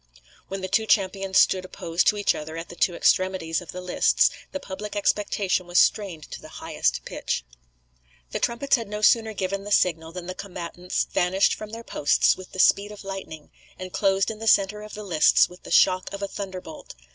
When the two champions stood opposed to each other at the two extremities of the lists the public expectation was strained to highest pitch. The trumpets had no sooner given the signal than the combatants vanished from their posts with the speed of lightning, and closed in the centre of the lists with the shock of a thunderbolt.